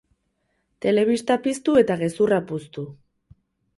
Telebista piztu eta gezurra puztu.